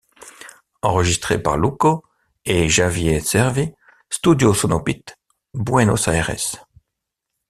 Enregistré par Lucho et Javier Cervi, Studio Sonobeat, Buenos Aires.